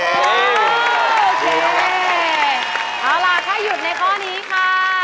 เอาล่ะถ้าหยุดในข้อนี้ค่ะ